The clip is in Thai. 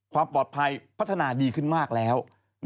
ความปลอดภัยพัฒนาดีขึ้นมากแล้ว